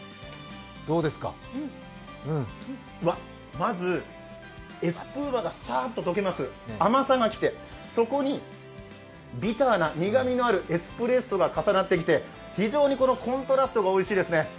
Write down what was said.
うわ、まず、エスプーマがサーッと溶けます、甘さがきてそこにビターな、苦みのあるエスプレッソが重なってきて非常にコントラストがおいしいですね。